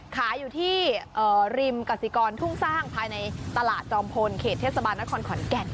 ขายอยู่ที่ริมกสิกรทุ่งสร้างภายในตลาดจอมพลเขตเทศบาลนครขอนแก่น